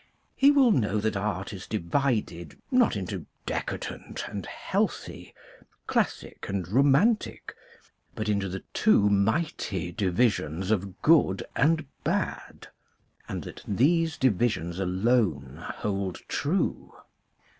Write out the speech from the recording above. He will know that art is divided, not into decadent and healthy, classic and romantic, but into the two mighty divisions of Good and Bad, and that these divisions alone hold THE PUBLIC AS ART CRITIC 247 true.